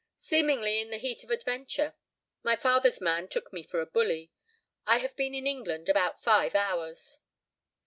"Seemingly, in the heat of adventure. My father's man took me for a bully. I have been in England about five hours."